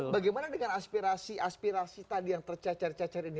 bagaimana dengan aspirasi aspirasi tadi yang tercacar cacar ini